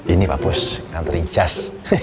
ini pak bos kantorin cas